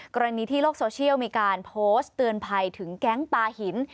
กรณีที่โลกโซเชียลมีการโพสต์เตือนภัยถึงแก๊งปลาหิน